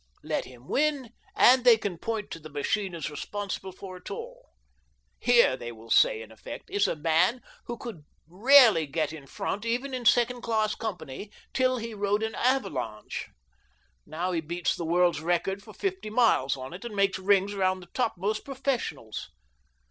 Let him win, and they can point to the machine as responsible for it all. ' Here,' they will say in *' AVALANCHE BICYCLE AND TYEE CO., LTD." 171 effect, ' is a man who could rarely get in front, even in second class company, till he rode an 'Avalanche.' Now he beats the world's record for fifty miles on it, and makes rings round the topmost professionals